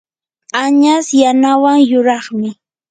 añas yanawan yuraqmi.